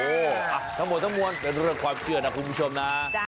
โอ้โหทั้งหมดทั้งมวลเป็นเรื่องความเชื่อนะคุณผู้ชมนะ